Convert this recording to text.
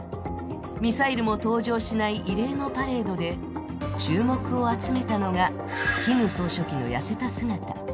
ミサイルも登場しない異例のパレードで注目を集めたのが、キム総書記の痩せた姿。